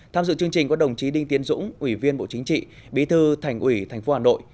tham dự chương trình có đồng chí đinh tiến dũng ủy viên bộ chính trị bí thư thành ủy tp hà nội